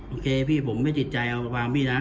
โอเคพี่ผมไม่ติดใจเอาความพี่นะ